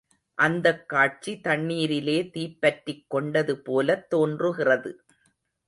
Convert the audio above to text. அந்தக் காட்சி தண்ணீரிலே தீப்பற்றிக் கொண்டது போலத் தோன்றுகிறது.